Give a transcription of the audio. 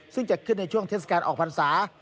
ซึ่งจัดขึ้นในช่วงเทศกาลออกพรรษา